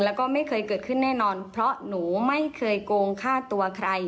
แล้วก็ไม่เคยเกิดขึ้นแน่นอนเพราะหนูไม่เคยโกงฆ่าตัวใคร